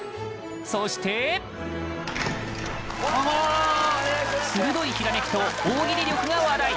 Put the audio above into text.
そして鋭いひらめきと大喜利力が話題！